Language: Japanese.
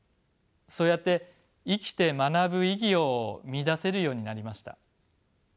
そうやって生きて学ぶ意義を見いだせるようになりました。